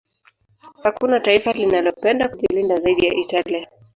Hakuna taifa linalopenda kujilinda zaidi ya Italia